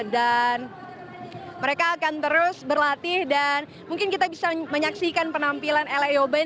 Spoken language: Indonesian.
dan mereka akan terus berlatih dan mungkin kita bisa menyaksikan penampilan l a eobain